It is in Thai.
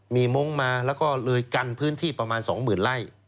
มีมงค์มาแล้วก็เลยกันพื้นที่ประมาณ๒๐๐๐ไร่